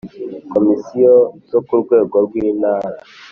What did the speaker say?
Komisiyo zo ku rwego rw intara